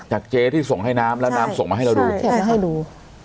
เจ๊ที่ส่งให้น้ำแล้วน้ำส่งมาให้เราดูเก็บมาให้ดู